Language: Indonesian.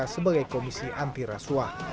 sebagai komisi anti rasuah